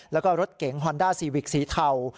แล้วก็รถเก๋งฮอนด้าซีวิกสีเทา